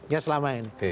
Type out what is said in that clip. ya selama ini